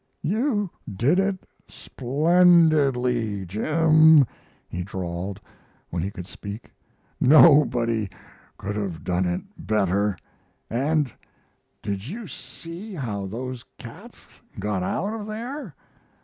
"You did it splendidly, Jim," he drawled, when he could speak. "Nobody could have done it better; and did you see how those cats got out of there?